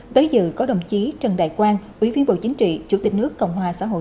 tới dự có đồng chí trần đại quang ủy viên bộ chính trị chủ tịch nước cộng hòa xã hội